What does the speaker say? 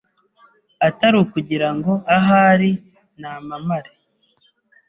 atari ukugirango ahari namamare.